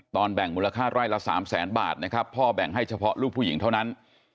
ตอนแบ่งมูลค่าไร่ละ๓๐๐๐๐๐บาทพ่อแบ่งให้เฉพาะลูกผู้หญิงเท่านั้น